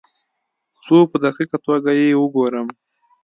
څو په دقیقه توګه یې وګورم.